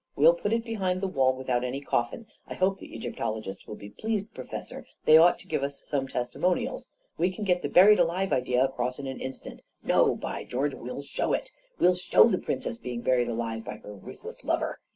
We'll put it behind the wall with out any coffin — I hope the Egyptologists will be pleased, Professor — they ought to give us some tes timonials ! We can get the buried alive idea across in an insert — no, by George, we'll show it. We'll show the Princess being buried alive by her ruth less lover